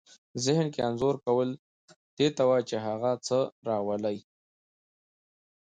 ذهن کې انځور کول دې ته وايي چې هغه څه راولئ.